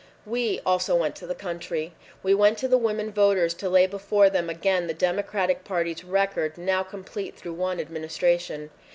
We also went to the country. We went to the women voters to lay before them again the Democratic Party's record—now complete through one Administration.